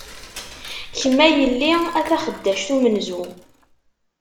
Kem a yell-i, a taxeddact umenzu!